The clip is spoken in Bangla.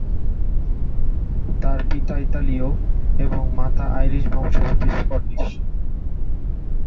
তার পিতা ইতালীয় এবং মাতা আইরিশ বংশোদ্ভূত স্কটিশ।